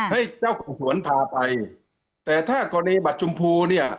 ให้เจ้าของสวนพาไปแต่ถ้ากรณีบัตรชมพูเนี่ย